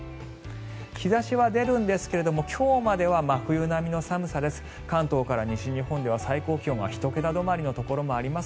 日差しは出るんですけど今日までは真冬並みの寒さです。